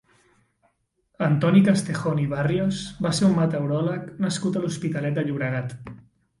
Antoni Castejón i Barrios va ser un meteoròleg nascut a l'Hospitalet de Llobregat.